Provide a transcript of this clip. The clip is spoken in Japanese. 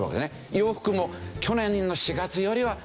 洋服も去年の４月よりは増えている。